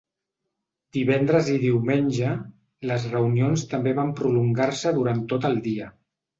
Divendres i diumenge, les reunions també van prolongar-se durant tot el dia.